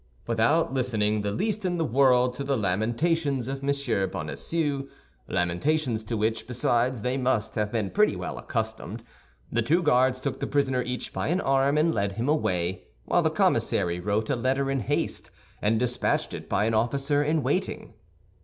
Without listening the least in the world to the lamentations of M. Bonacieux—lamentations to which, besides, they must have been pretty well accustomed—the two guards took the prisoner each by an arm, and led him away, while the commissary wrote a letter in haste and dispatched it by an officer in waiting.